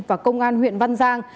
và công an huyện văn giang